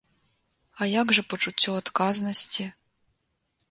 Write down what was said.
А як жа пачуццё адказнасці?